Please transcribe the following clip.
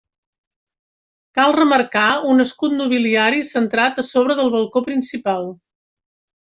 Cal remarcar un escut nobiliari centrat a sobre del balcó principal.